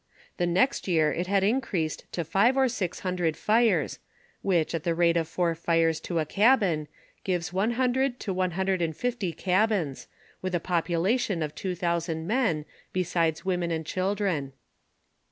The next year it had increased to five or six hundred fires, which, at the rate of four fires to a cabin, gives one hundred to one hundred and fifty cabins, with 8 population of two thousand men, besides women and children.